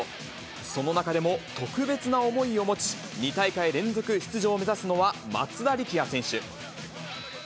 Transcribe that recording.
その中でも、特別な思いを持ち、２大会連続出場を目指すのは松田力也選手。